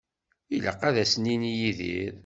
Ilaq ad as-nini i Yidir.